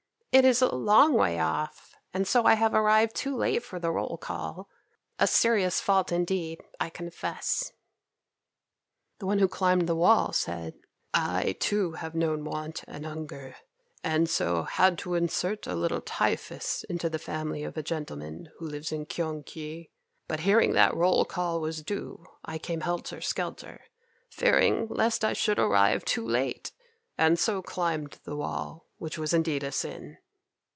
It is a long way off, and so I have arrived too late for the roll call, a serious fault indeed, I confess." The one who climbed the wall, said, "I, too, have known want and hunger, and so had to insert a little typhus into the family of a gentleman who lives in Kyong keui, but hearing that roll call was due I came helter skelter, fearing lest I should arrive too late, and so climbed the wall, which was indeed a sin."